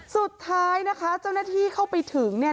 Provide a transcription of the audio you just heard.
สุดท้ายนะคะเจ้าหน้าที่เข้าไปถึงเนี่ย